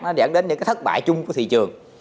nó dẫn đến những cái thất bại chung của thị trường